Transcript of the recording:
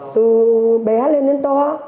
từ bé lên đến to